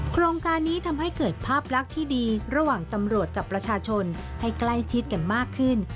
โครงการนี้ทำให้เกิดภาพลักษณ์ที่ดีระหว่างตำรวจกับประชาชนให้ใกล้ชิดกันมากขึ้น